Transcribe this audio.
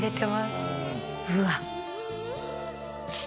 うわっ！